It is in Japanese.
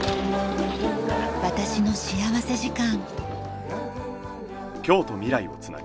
『私の幸福時間』。